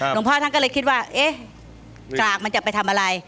หลวงพ่อท่านก็เลยคิดว่าเอ๊ะกรากมันจะไปทำอะไร